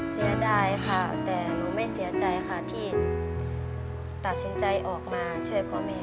เสียดายค่ะแต่หนูไม่เสียใจค่ะที่ตัดสินใจออกมาช่วยพ่อแม่